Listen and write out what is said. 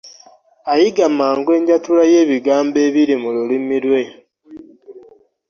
Ayiga mangu enjatula y'ebigambo ebiri mu lulimi lwe.